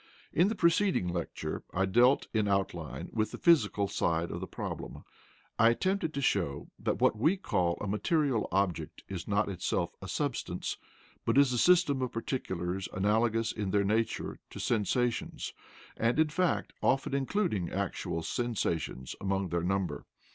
In the preceding lecture I dealt in outline with the physical side of this problem. I attempted to show that what we call a material object is not itself a substance, but is a system of particulars analogous in their nature to sensations, and in fact often including actual sensations among their number.